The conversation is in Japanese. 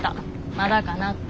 まだかなって。